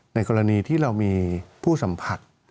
ในกรณีที่เรามีผู้สัมผัส